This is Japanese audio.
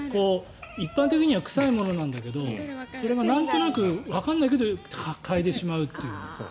一般的には臭いものなんだけどそれがなんとなくわからないけど嗅いでしまうという。